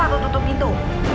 jangan lupa kau tutup pintu